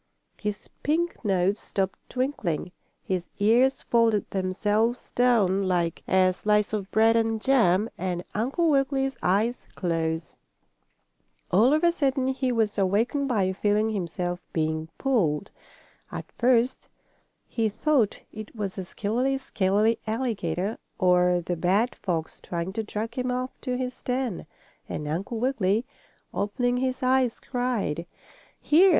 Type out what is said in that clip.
His pink nose stopped twinkling, his ears folded themselves down like a slice of bread and jam, and Uncle Wiggily's eyes closed. All of a sudden he was awakened by feeling himself being pulled. At first he thought it was the skillery scalery alligator, or the bad fox trying to drag him off to his den, and Uncle Wiggily, opening his eyes, cried: "Here!